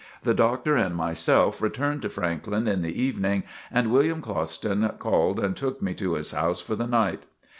The Doctor and myself returned to Franklin in the evening and William Clouston called and took me to his house for the night.